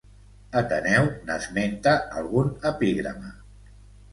Ateneu n'esmenta algun epigrama.